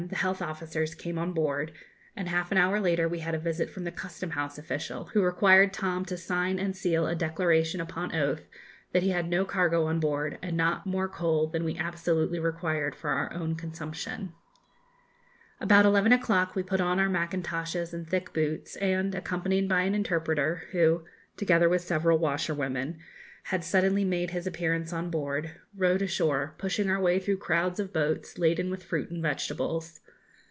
the health officers came on board, and half an hour later we had a visit from the custom house official, who required Tom to sign and seal a declaration upon oath that he had no cargo on board, and not more coal than we absolutely required for our own consumption. About eleven o'clock we put on our mackintoshes and thick boots, and, accompanied by an interpreter, who (together with several washerwomen) had suddenly made his appearance on board, rowed ashore, pushing our way through crowds of boats laden with fruit and vegetables.